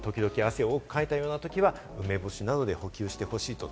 時々、汗を多くかいたときは梅干しなどで補給してほしいと。